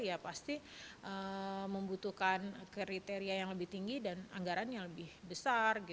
ya pasti membutuhkan kriteria yang lebih tinggi dan anggaran yang lebih besar